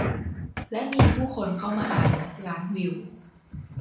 และมีผู้คนเข้ามาอ่านนับล้านวิว